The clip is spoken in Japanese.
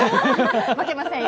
負けませんよ！